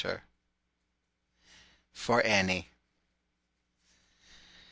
FOR ANNIE.